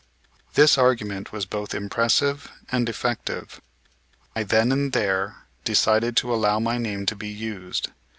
This argument was both impressive and effective. I then and there decided to allow my name to be used.